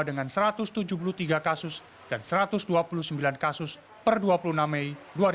dengan satu ratus tujuh puluh tiga kasus dan satu ratus dua puluh sembilan kasus per dua puluh enam mei dua ribu dua puluh